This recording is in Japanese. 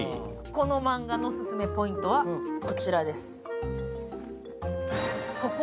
このマンガのオススメポイントはこちらです。